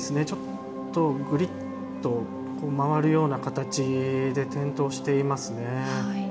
ちょっとグリッと回るような形で転倒していますね。